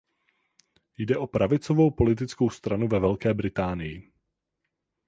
Jde o pravicovou politickou stranu ve Velké Británii.